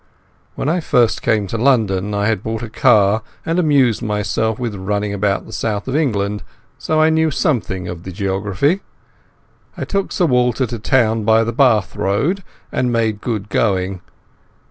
When I first came to London I had bought a car and amused myself with running about the south of England, so I knew something of the geography. I took Sir Walter to town by the Bath Road and made good going.